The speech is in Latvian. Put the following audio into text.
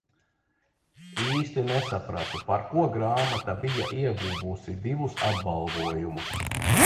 Īsti nesapratu par ko grāmata bija ieguvusi divus apbalvojumus.